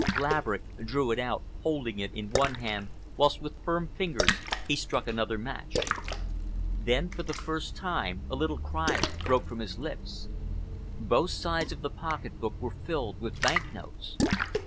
Laverick drew it out, holding it in one hand whilst with firm fingers he struck another match. Then, for the first time, a little cry broke from his lips. Both sides of the pocket book were filled with bank notes.